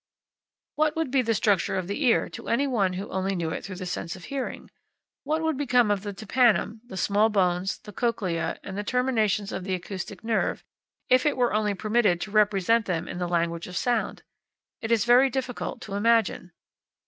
What would be the structure of the ear to any one who only knew it through the sense of hearing? What would become of the tympanum, the small bones, the cochlea, and the terminations of the acoustic nerve, if it were only permitted to represent them in the language of sound? It is very difficult to imagine.